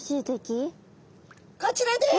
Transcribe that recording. こちらです。